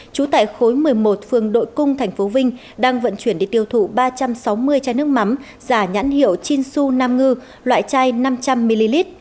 trú tại khối một mươi một phường đội cung tp vinh đang vận chuyển đi tiêu thụ ba trăm sáu mươi chai nước mắm giả nhãn hiệu chinsu nam ngư loại chai năm trăm linh ml